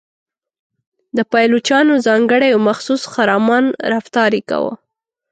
د پایلوچانو ځانګړی او مخصوص خرامان رفتار یې کاوه.